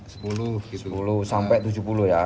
sepuluh sampai tujuh puluh ya